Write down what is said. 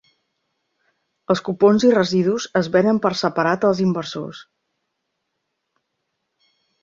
Els cupons i residus es venen per separat als inversors.